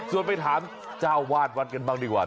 ส่วนไปถามเจ้าวาดวัดกันบ้างดีกว่า